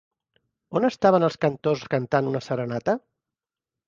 On estaven els cantors cantant una serenata?